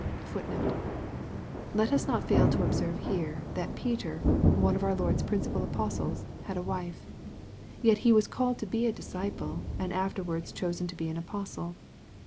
Let us not fail to observe here, that Peter, one of our Lord's prin cipal apostles, had a wife. Yet he was called to be a disciple, and Afterwards chosen to be an apostle.